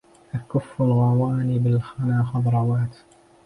أكف الغواني بالخنا خضرات